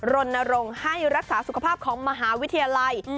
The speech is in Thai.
รณรงค์ให้รักษาสุขภาพของมหาวิทยาลัย